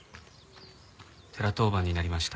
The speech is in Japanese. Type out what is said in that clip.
寺当番になりました。